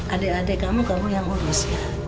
adek adek kamu kamu yang urus ya